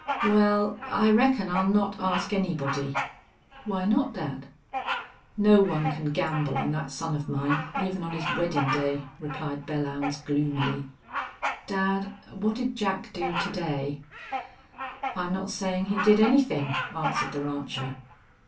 "Wal, I reckon I'll not ask anybody." "Why not, dad?" "No one can gamble on thet son of mine, even on his weddin' day," replied Belllounds, gloomily. "Dad, What'd Jack do to day?" "I'm not sayin' he did anythin'," answered the rancher.